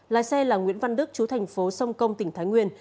lái xe là nguyễn văn đức chú thành phố sông công tỉnh thái nguyên